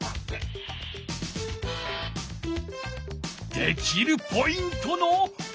できるポイントのコピペ！